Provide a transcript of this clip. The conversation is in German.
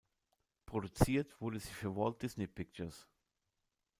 Produziert wurde sie für Walt Disney Pictures.